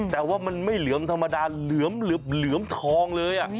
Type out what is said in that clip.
แต่ว่ามันไม่เหลือมธรรมดาเหลือมทองเลย